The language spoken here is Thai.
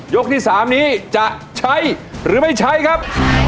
ที่๓นี้จะใช้หรือไม่ใช้ครับ